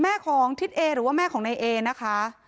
แม่ของทิศเอหรือว่าแม่ของนายเอนะคะ